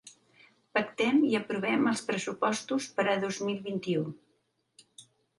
Pactem i aprovem els pressupostos per a dos mil vint-i-u.